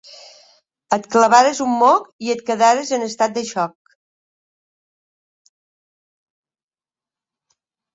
Et clavares un moc i et quedares en estat de xoc.